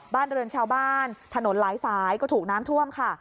บ้านเรือนชาวบ้านถนนหลายสายก็ถูกน้ำท่วมค่ะ